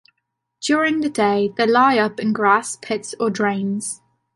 During the day, they lie up in grass, pits, or drains.